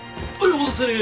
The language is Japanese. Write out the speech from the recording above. お待たせ！